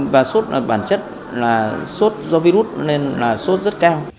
và sốt bản chất là sốt do virus nên là sốt rất cao